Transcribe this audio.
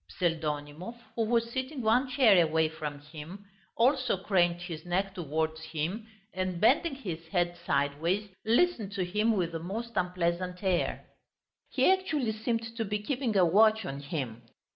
Pseldonimov, who was sitting one chair away from him, also craned his neck towards him, and bending his head sideways, listened to him with the most unpleasant air. He actually seemed to be keeping a watch on him.